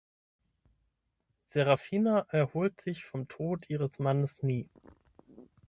Serafina erholt sich vom Tod ihres Mannes nie.